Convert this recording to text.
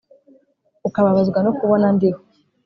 ukababazwa no kubona ndiho